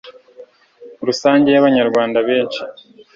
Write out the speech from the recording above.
rusange y'abanyarwanda benshi